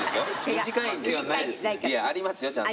短いんです。ありますよちゃんと。